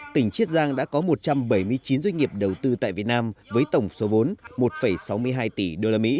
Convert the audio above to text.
tỉnh chiết giang đã có một trăm bảy mươi chín doanh nghiệp đầu tư tại việt nam với tổng số vốn một sáu mươi hai tỷ usd